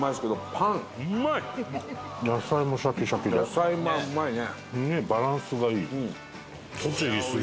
野菜もうまいね。